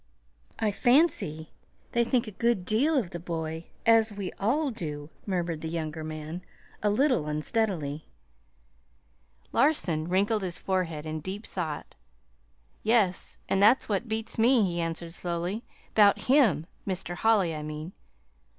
"I fancy they think a good deal of the boy as we all do," murmured the younger man, a little unsteadily. Larson winkled his forehead in deep thought. "Yes; an' that's what beats me," he answered slowly; "'bout HIM, Mr. Holly, I mean.